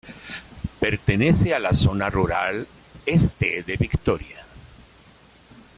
Pertenece a la Zona Rural Este de Vitoria.